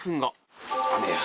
雨や。